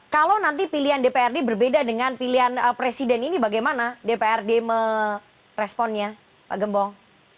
kalau nanti pilihan dprd berbeda dengan pilihan presiden ini bagaimana dprd meresponnya pak gembong